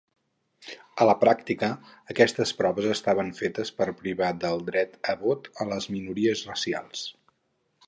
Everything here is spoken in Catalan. A la pràctica, aquestes proves estaven fetes per privar del dret a vot a les minories racials.